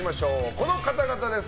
この方々です。